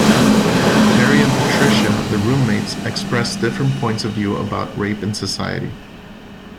Terry and Patricia, the roommates, express different points of view about rape in society.